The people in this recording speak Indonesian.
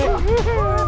enggak rue cek